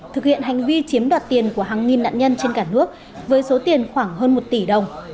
thực hiện hành vi chiếm đoạt tiền của hàng nghìn nạn nhân trên cả nước với số tiền khoảng hơn một tỷ đồng